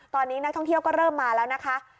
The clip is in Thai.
ตอนนี้นักท่องเที่ยวก็เริ่มมาแล้วนะคะ